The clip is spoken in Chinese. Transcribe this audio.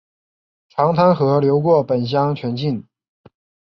长滩河流过本乡全境。